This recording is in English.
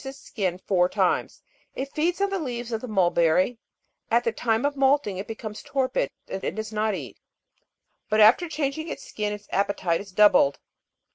its skin four times ; it feeds on the leaves of the mulberry ; at the time of moulting it becomes torpid and does not eat ; but after changing its skin, its appetite is doubled.